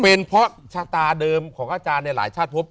เป็นเพราะชะตาเดิมของอาจารย์ในหลายชาติพบ